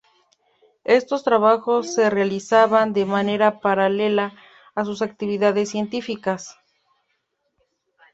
Estos trabajos se realizaban de manera paralela a sus actividades científicas.